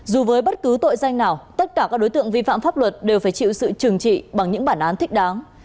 dù với bất cứ tội danh nào tất cả các đối tượng vi phạm pháp luật đều phải chịu sự trừng trị bằng những bản án thích đáng